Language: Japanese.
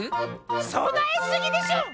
そなえすぎでしょ！